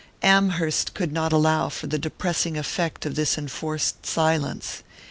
Amherst could not allow for the depressing effect of this enforced silence.